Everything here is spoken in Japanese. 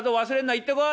行ってこい！」。